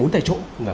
bốn tại chỗ